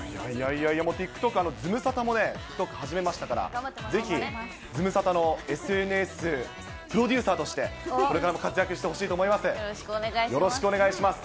いやいや、ＴｉｋＴｏｋ、ズムサタもね、ＴｉｋＴｏｋ始めましたから、ぜひズムサタのＳＮＳプロデューサーとして、これからも活躍してよろしくお願いします。